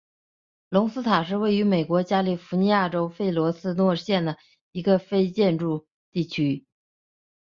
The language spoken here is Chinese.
隆斯塔是位于美国加利福尼亚州弗雷斯诺县的一个非建制地区。